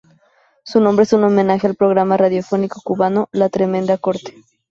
Su nombre es un homenaje al programa radiofónico cubano La tremenda corte.